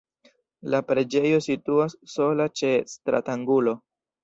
La preĝejo situas sola ĉe stratangulo.